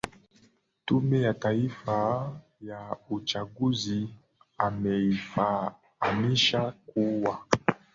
tume ya taifa ya uchaguzi ameifahamisha kuwa